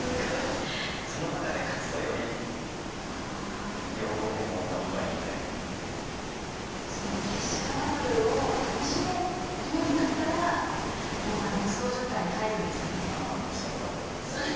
その中で勝つとじゃあ、そのプレッシャーバトルを楽しめるようになったらもう無双状態に入るんですね。